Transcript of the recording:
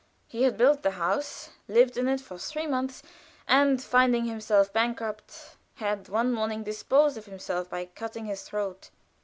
He had built the house, lived in it three months, and finding himself bankrupt, had one morning disposed of himself by cutting his throat.